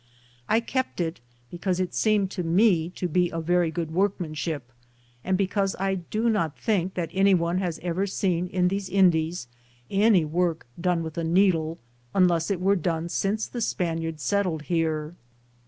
I kept it because it seemed to me to be of very good workmanship, and because I do not think that anyone has ever seen in these Indies any work done with a needle, unless it were done since the Spaniards set tled here.